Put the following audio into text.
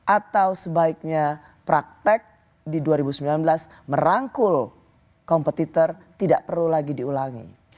atau sebaiknya praktek di dua ribu sembilan belas merangkul kompetitor tidak perlu lagi diulangi